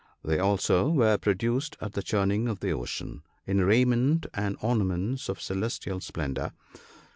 They also were produced at the churning of the ocean, in raiment and ornaments of celestial splendour.